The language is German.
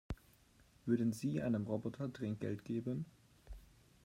Würden Sie einem Roboter Trinkgeld geben?